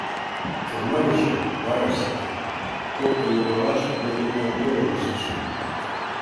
Шурмаҥышым вараш сакен, коктын нумалаш мый тудлан ойым ыштышым.